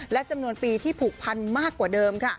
และจำนวนปีที่ผูกพันมากกว่าเดิมค่ะ